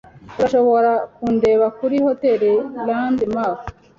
Urashobora kundeba kuri Hotel Landmark.